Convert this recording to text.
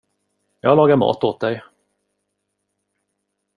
Jag lagar mat åt dig.